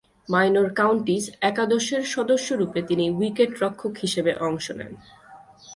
Minor Counties একাদশের সদস্যরূপে তিনি উইকেট-রক্ষক হিসেবে অংশ নেন।